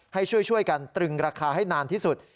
ให้ช่วยกันตรึงราคาให้นานที่สุด